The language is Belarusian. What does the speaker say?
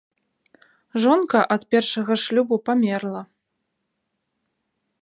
Жонка ад першага шлюбу памерла.